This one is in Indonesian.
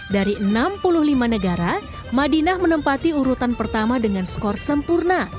dari enam puluh lima negara madinah menempati urutan pertama dengan skor sempurna